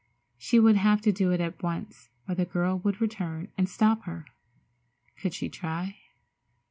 She would have to do it at once, or the girl would return and stop her. Could she try?